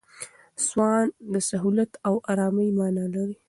سوان د سهولت او آرامۍ مانا لري.